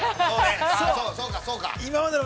◆そうかそうか。